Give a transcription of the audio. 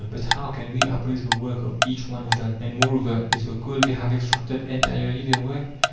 But how can we appraise the work of each one of them? And, moreover, Is the coal they have extracted entirely their work?